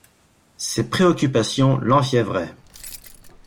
Ses préoccupations l'enfiévraient.